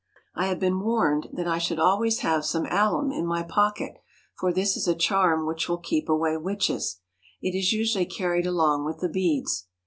I have been warned that I should always have some 79 THE HOLY LAND AND SYRIA alum in my pocket, for this is a charm which will keep away witches. It is usually carried along with the beads.